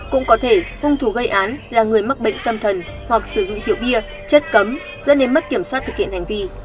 cũng có thể hung thủ gây án là người mắc bệnh tâm thần hoặc sử dụng rượu bia chất cấm dẫn đến mất kiểm soát thực hiện hành vi